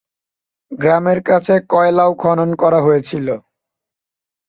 গ্রামের কাছে কয়লাও খনন করা হয়েছিল।